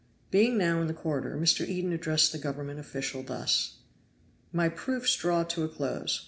Being now in the corridor, Mr. Eden addressed the Government official thus: "My proofs draw to a close.